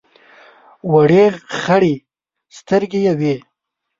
وړې خړې سترګې یې وې.